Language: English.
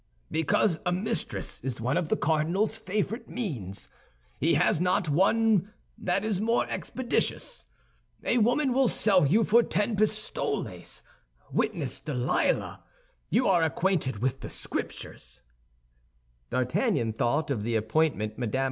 "Because a mistress is one of the cardinal's favorite means; he has not one that is more expeditious. A woman will sell you for ten pistoles, witness Delilah. You are acquainted with the Scriptures?" D'Artagnan thought of the appointment Mme.